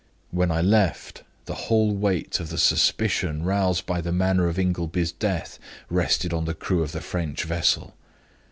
When I left, the whole weight of the suspicion roused by the manner of Ingleby's death rested on the crew of the French vessel.